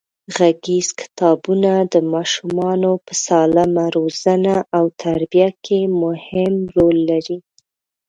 غږیز کتابونه د ماشومانو په سالمه روزنه او تربیه کې مهم رول لري.